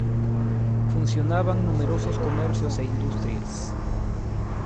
Funcionaban numerosos comercios e industrias.